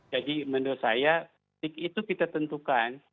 jadi menurut saya titik itu kita tentukan